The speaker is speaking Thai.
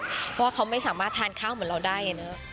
เพราะว่าเขาไม่สามารถทานข้าวเหมือนเราได้เนอะ